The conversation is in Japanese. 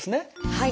はい。